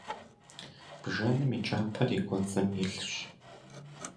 Бжэным и кӀапэр и кӀуэцӀым илъщ.